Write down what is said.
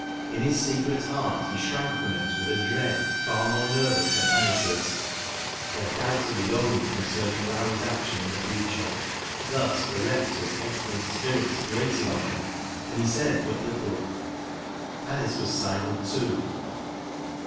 In his secret heart, he shrank from it with a dread far moi e nervous than Anice's. He had doubts of his own concerning Lowrie's action in the future. Thus the Rector's excellent spirits grated on him, and he said but little. Anice was silent too.